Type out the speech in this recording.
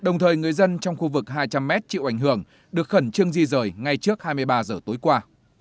đồng thời người dân trong khu vực hai trăm linh m chịu ảnh hưởng được khẩn trương di rời ngay trước hai mươi ba h tối qua